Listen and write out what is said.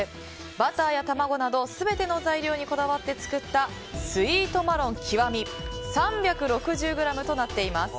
バターや卵など全ての材料にこだわって作ったスイートマロン極３６０ｇとなっています。